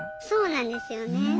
そうなんですよね。